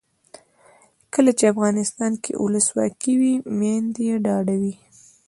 کله چې افغانستان کې ولسواکي وي میندې ډاډه وي.